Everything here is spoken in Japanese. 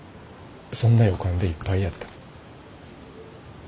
そんな予感でいっぱいやった。